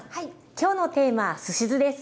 今日のテーマはすし酢です。